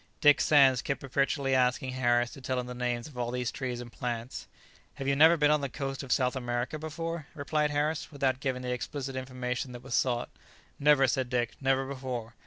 Dick Sands kept perpetually asking Harris to tell him the names of all these trees and plants. "Have you never been on the coast of South America before?" replied Harris, without giving the explicit information that was sought. "Never," said Dick; "never before.